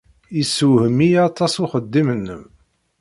Yessewhem-iyi aṭas uxeddim-nnem.